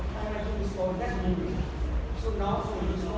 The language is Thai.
แล้วมันจะมากขึ้นเย็น